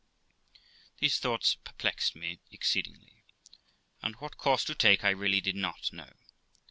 These thoughts perplexed me exceedingly, and what course to take I really did not know.